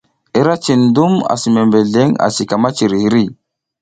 Ira cin dum ar membeleng asi ka miciri hiri.